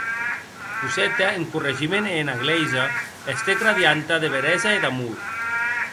Cosette en corregiment e ena glèisa estèc radianta de beresa e d’amor.